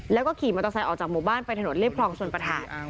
แล้วก็ขี่มอเตอร์ไซค์ออกจากหมู่บ้านไปถนนเรียบคลองชนประธาน